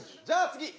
じゃあ次！